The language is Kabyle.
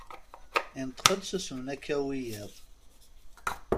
Ineṭeq-d susemen akka wiyaḍ.